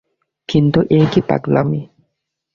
কিন্তু এ কী পাগলামি!